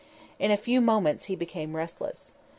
In a few moments he became restless.